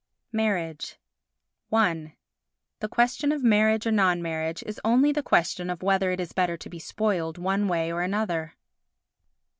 Marriage i The question of marriage or non marriage is only the question of whether it is better to be spoiled one way or another.